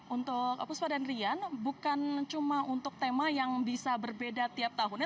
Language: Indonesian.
untuk puspa dan rian bukan cuma untuk tema yang bisa berbeda tiap tahunnya